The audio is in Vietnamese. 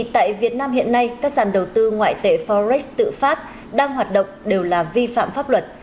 tại việt nam hiện nay các sàn đầu tư ngoại tệ forex tự phát đang hoạt động đều là vi phạm pháp luật